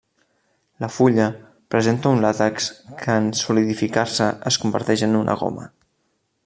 La fulla presenta un làtex que en solidificar-se es converteix en una goma.